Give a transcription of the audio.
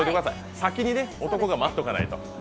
先に男が待っておかないと。